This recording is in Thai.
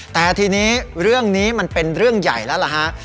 แต่ทีนี้เรื่องนี้มันเป็นเรื่องใหญ่แล้วล่ะฮะ